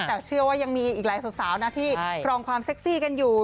แต่เชื่อว่ายังมีอีกหลายสาวนะที่ครองความเซ็กซี่กันอยู่